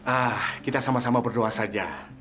ah kita sama sama berdoa saja